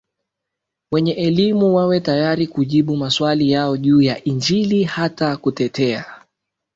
wenye elimuWawe tayari kujibu maswali yao juu ya Injili hata kutetea